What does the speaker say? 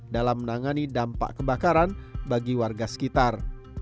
dalam menangani dampak kebakaran bagi warga sekitar